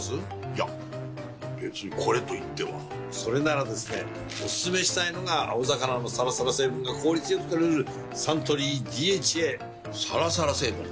いや別にこれといってはそれならですねおすすめしたいのが青魚のサラサラ成分が効率良く摂れるサントリー「ＤＨＡ」サラサラ成分？